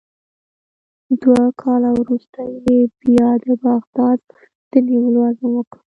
دوه کاله وروسته یې بیا د بغداد د نیولو عزم وکړ.